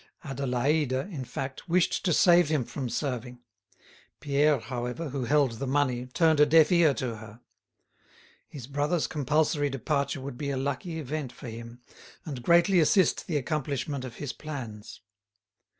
Adélaïde, in fact, wished to save him from serving; Pierre, however, who held the money, turned a deaf ear to her. His brother's compulsory departure would be a lucky event for him, and greatly assist the accomplishment of his plans.